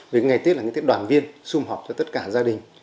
vì ngày tết là cái tết đoàn viên xung họp cho tất cả gia đình